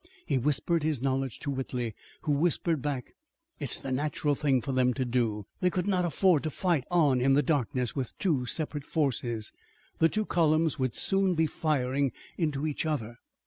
He whispered his knowledge to Whitley, who whispered back: "It's the natural thing for them to do. They could not afford to fight on in the darkness with two separate forces. The two columns would soon be firing into each other."